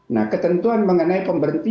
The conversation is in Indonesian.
nah ketentuan mengenai pemberhentian